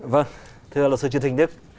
vâng thưa luật sư trương thịnh đức